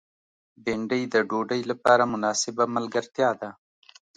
بېنډۍ د ډوډۍ لپاره مناسبه ملګرتیا ده